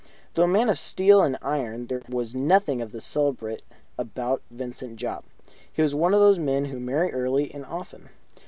Though a man of steel and iron, there was nothing of the celibate about Vincent Jopp. He was one of those men who marry early and often.